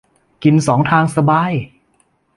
กินสองทางสบาย